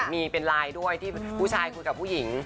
มีเป็นไลน์ด้วยที่ผู้ชายคุยกับผู้หญิง